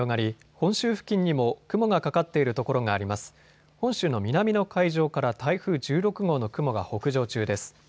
本州の南の海上から台風１６号の雲が北上中です。